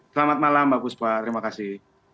selamat malam mbak puspa terima kasih